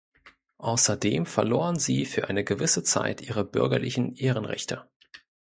Außerdem verloren sie für eine gewisse Zeit ihre bürgerlichen Ehrenrechte.